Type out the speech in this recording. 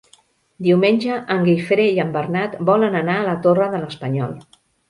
Diumenge en Guifré i en Bernat volen anar a la Torre de l'Espanyol.